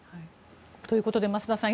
ということで、増田さん